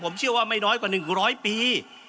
ผมเชื่อว่าไม่น้อยกว่า๑๐๐ปี